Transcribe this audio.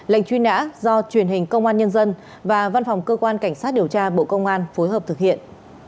lệnh truy nã do truyền hình công an nhân dân và văn phòng cơ quan cảnh sát điều tra bộ công an phối hợp thực hiện